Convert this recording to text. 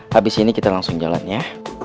habis ini kita langsung jalan ya